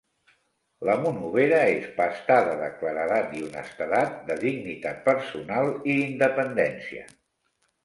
La monovera és pastada de claredat i honestedat, de dignitat personal i independència.